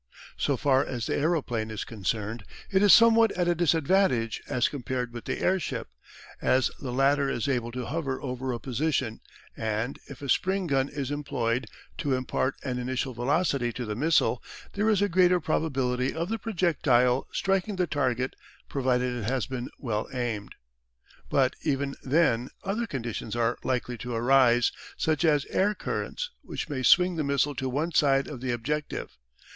So far as the aeroplane is concerned it is somewhat at a disadvantage as compared with the airship, as the latter is able to hover over a position, and, if a spring gun is employed to impart an initial velocity to the missile, there is a greater probability of the projectile striking the target provided it has been well aimed. But even then other conditions are likely to arise, such as air currents, which may swing the missile to one side of the objective.